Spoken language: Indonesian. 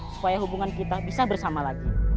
supaya hubungan kita bisa bersama lagi